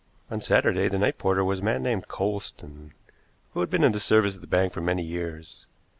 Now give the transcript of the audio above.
On Saturday the night porter was a man named Coulsdon, who had been in the service of the bank for many years.